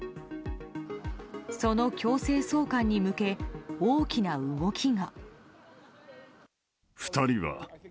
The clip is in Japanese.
その強制送還に向け大きな動きが。